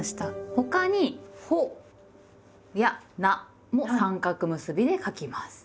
他に「ほ」や「な」も三角結びで書きます。